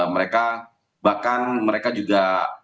mereka bahkan mereka juga